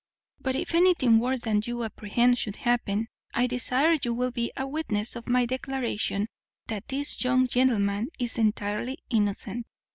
But, if anything worse than you apprehend should happen, I desire you will be a witness of my declaration that this young gentleman is entirely innocent.